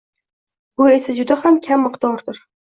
Bu esa juda ham kam miqdordir.